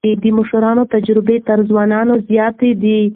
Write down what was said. د مشرانو تجربه تر ځوانانو زياته ده.